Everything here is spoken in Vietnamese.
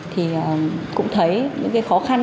thì cũng thấy những khó khăn